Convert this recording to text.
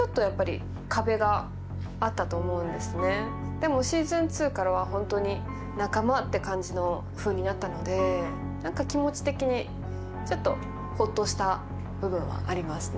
でも「Ｓｅａｓｏｎ２」からは本当に仲間って感じのふうになったので何か気持ち的にちょっとホッとした部分はありますね。